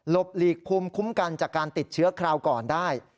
หลีกภูมิคุ้มกันจากการติดเชื้อคราวก่อนได้